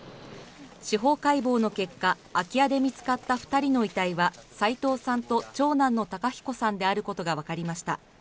司法解剖の結果空き家で見つかった２人の遺体は齋藤さんと長男の孝彦さんであることがわかりました。